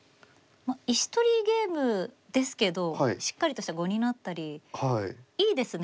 石取りゲームですけどしっかりとした碁になったりいいですね